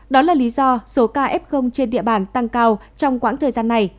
đó là lý do số ca f trên địa bàn tăng cao trong quãng thời gian này